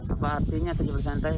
apa artinya terima santai